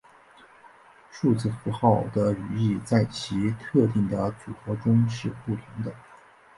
数字符号的语义在其特定的组合中是不同的。